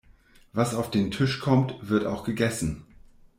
Was auf den Tisch kommt, wird auch gegessen.